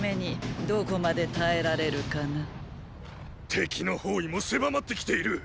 敵の包囲も狭まってきている！